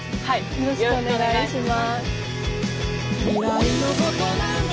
よろしくお願いします。